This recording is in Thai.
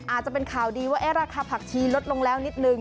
อาจจะเป็นข่าวดีว่าราคาผักชีลดลงแล้วนิดนึง